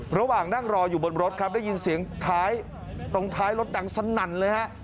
ระหว่างนั่งรออยู่บนรถครับได้ยินเสียงท้ายตรงท้ายรถดังสนั่นเลยฮะ